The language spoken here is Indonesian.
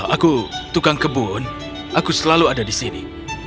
aku tukang kebun aku selalu ada di sini